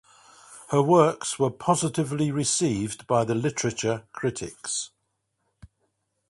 Her works were positively received by the literature critics.